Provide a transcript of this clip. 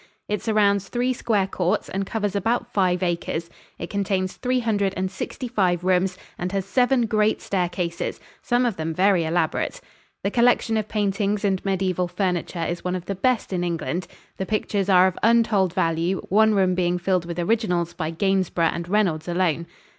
It surrounds three square courts and covers about five acres; it contains three hundred and sixty five rooms and has seven great staircases, some of them very elaborate. The collection of paintings and mediaeval furniture is one of the best in England. The pictures are of untold value, one room being filled with originals by Gainsborough and Reynolds alone.